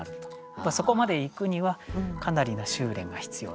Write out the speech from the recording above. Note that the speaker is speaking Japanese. やっぱりそこまでいくにはかなりの修練が必要だと。